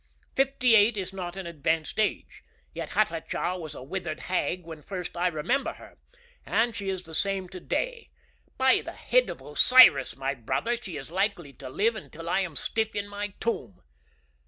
Fifty eight is not an advanced age, yet Hatatcha was a withered hag when first I remember her, and she is the same to day. By the head of Osiris, my brother, she is likely to live until I am stiff in my tomb."